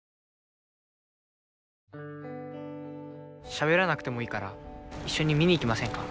しゃべらなくてもいいから一緒に見に行きませんか？